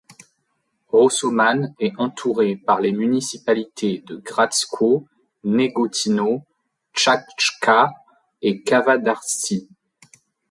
Rosoman est entouré par les municipalités de Gradsko, Negotino, Tchachka et Kavadartsi.